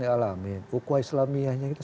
ya allah amin ukwah islaminya